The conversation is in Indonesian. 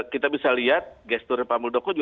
kita bisa lihat gestur pak muldoko